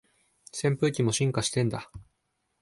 扇風機も進化してんだ